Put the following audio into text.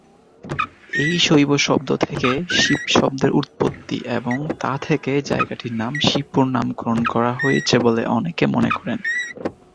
এই শৈব শব্দ থেকে শিব শব্দের উৎপত্তি এবং তা থেকে জায়গাটির নাম শিবপুর নামকরণ করা হয়েছে বলে অনেকে মনে করেন।